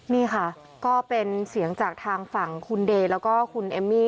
นี่ค่ะก็เป็นเสียงจากทางฝั่งคุณเดย์แล้วก็คุณเอมมี่